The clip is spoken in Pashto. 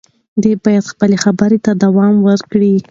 دی باید خپلو خبرو ته دوام ورکړي.